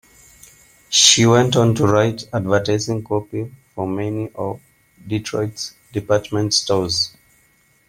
She went on to write advertising copy for many of Detroit's department stores.